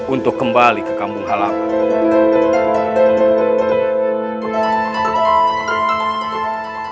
untuk kembali ke kampung halaman